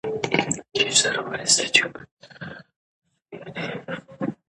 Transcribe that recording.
د واک ناوړه استعمال باور له منځه وړي